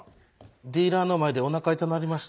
ディーラーの前でおなか痛なりまして。